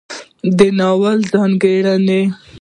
د ناول ځانګړنې